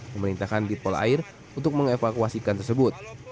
pemerintahkan dipol air untuk mengevakuasikan tersebut